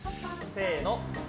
せの。